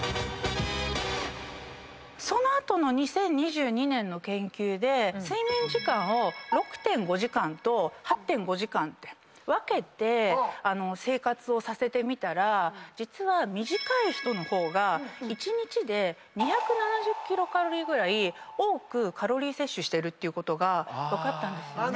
その後の２０２２年の研究で睡眠時間を６．５時間と８．５時間って分けて生活をさせてみたら実は短い人の方が１日で２７０キロカロリーぐらい多くカロリー摂取してるってことが分かったんですよね。